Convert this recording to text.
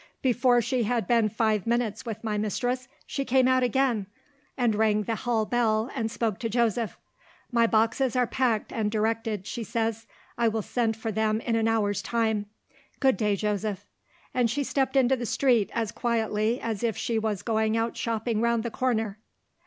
Before she had been five minutes with my mistress she came out again, and rang the hall bell, and spoke to Joseph. 'My boxes are packed and directed,' she says; 'I will send for them in an hour's time. Good day, Joseph.' And she stepped into the street, as quietly as if she was going out shopping round the corner."